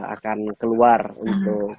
akan keluar untuk